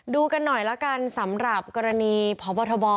ดูกันหน่อยละกันสำหรับกรณีพบทบ